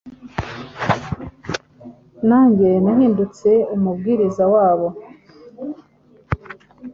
Nanjye nahindutse umubwiriza wabwo…